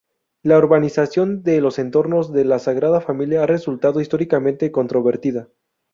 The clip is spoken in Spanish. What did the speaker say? La urbanización de los entornos de la Sagrada Familia ha resultado, históricamente, controvertida.